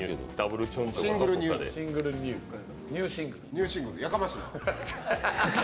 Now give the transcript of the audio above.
ニューシングル、やかましい！